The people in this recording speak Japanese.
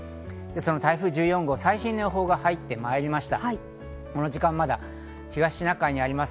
その台風１４号、最新の予報が入ってまいりました。